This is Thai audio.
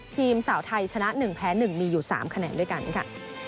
ทีมสาวไทยชนะ๑แพ้๑มีอยู่๓คะแนนด้วยกันค่ะ